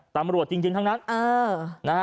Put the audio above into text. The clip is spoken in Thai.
ตำรวจจริงทั้งนั้น